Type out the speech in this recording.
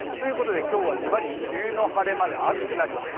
今日はズバリ、梅雨の晴れ間で暑くなります。